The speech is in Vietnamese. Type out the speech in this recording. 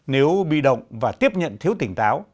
nếu bị động và tiếp nhận thiếu tỉnh táo